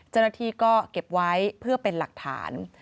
เจ้าหน้าที่ก็เก็บไว้เพื่อเป็นหลักฐาน